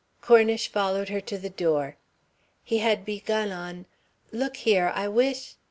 Cornish followed her to the door. He had begun on "Look here, I wish